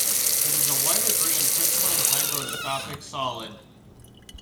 It is a white or green, crystalline, hygroscopic solid.